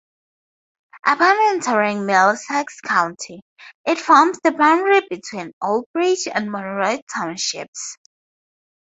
Upon entering Middlesex County, it forms the boundary between Old Bridge and Monroe Townships.